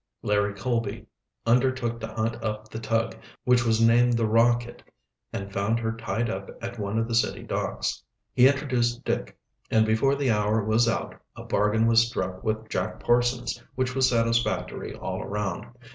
Larry Colby undertook to hunt up the tug, which was named the Rocket, and found her tied up at one of the city docks. He introduced Dick, and before the hour was out a bargain was struck with Jack Parsons which was satisfactory all around.